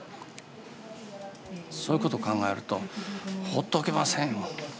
そういうことを考えるとほっとけませんよ。